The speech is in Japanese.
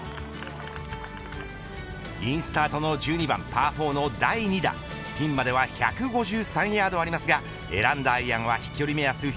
インスタートの１２番パー４の第２打ピンまでは１５３ヤードありますが選んだアイアンは飛距離目安